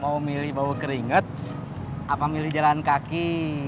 mau milih bau keringet apa milih jalan kaki